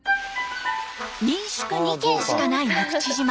民宿２軒しかない六口島。